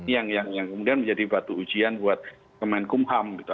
yang kemudian menjadi batu ujian buat kemenkumham gitu